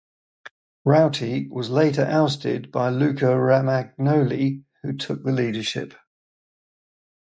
Rauti was later ousted by Luca Romagnoli, who took the leadership.